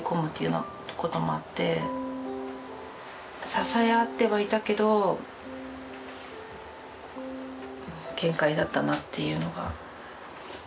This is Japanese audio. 支え合ってはいたけど限界だったなっていうのが。